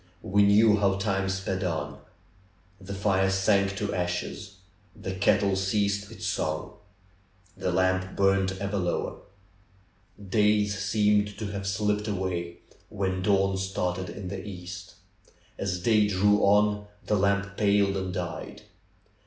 We knew how time sped on. The fire sank to ashes. The kettle ceased its song. The lamp burned ever lower. Days seemed to have slipped away when dawn started in the east. As day drew on the lamp paled and died.